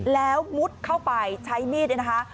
แล้วมุดเข้าไปใช้มีดเนี่ยนะคะ